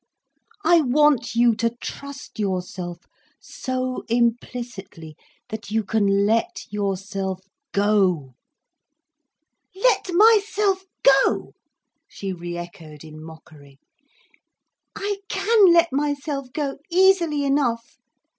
I want you to trust yourself so implicitly, that you can let yourself go." "Let myself go!" she re echoed in mockery. "I can let myself go, easily enough.